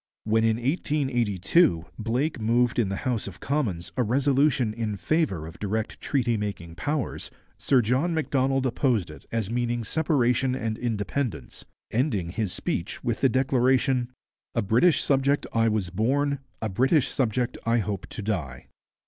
When in 1882 Blake moved in the House of Commons a resolution in favour of direct treaty making powers, Sir John Macdonald opposed it as meaning separation and independence, ending his speech with the declaration, 'A British subject I was born, a British subject I hope to die.'